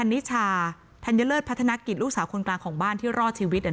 นิชาธัญเลิศพัฒนกิจลูกสาวคนกลางของบ้านที่รอดชีวิต